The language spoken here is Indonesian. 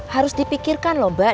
harus dipikirkan loh mbak